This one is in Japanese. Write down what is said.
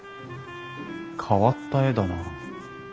変わった絵だなあ。